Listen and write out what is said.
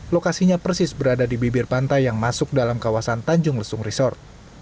lokasinya persis berada di bibir pantai yang masuk dalam kawasan tanjung lesung resort